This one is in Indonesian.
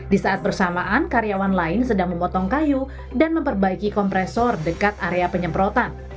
di saat bersamaan karyawan lain sedang memotong kayu dan memperbaiki kompresor dekat area penyemprotan